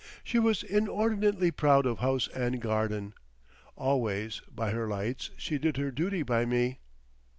She was inordinately proud of house and garden. Always, by her lights, she did her duty by me.